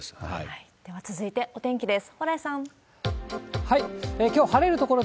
では続いて、お天気です。